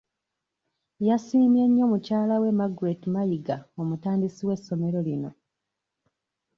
Yasiimye nnyo mukyalawe Margret Mayiga omutandisi w'essomero lino.